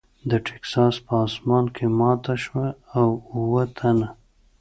د ټیکساس په اسمان کې ماته شوه او اووه تنه .